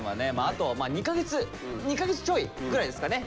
あと２か月２か月ちょいぐらいですかね。